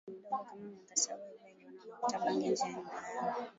tangu mdogo kama miaka saba hivi aliona wanavuta bangi nje ya nyumba yao